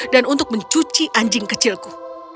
dan untuk mencuci anjing kecilku